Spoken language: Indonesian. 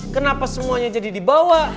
kenapa semuanya jadi di bawah